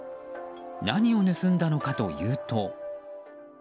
何を盗んだのかというと。